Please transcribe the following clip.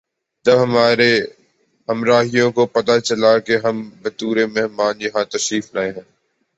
جب ہمارے ہمراہیوں کو پتہ چلا کہ ہم بطور مہمان یہاں تشریف لائے ہیں